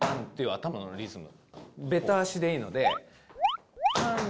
頭のリズム。